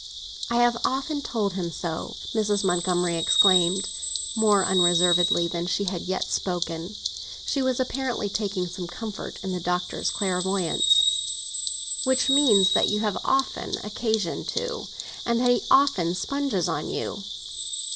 "I have often told him so!" Mrs. Montgomery exclaimed, more unreservedly than she had yet spoken. She was apparently taking some comfort in the Doctor's clairvoyancy. "Which means that you have often occasion to, and that he often sponges on you.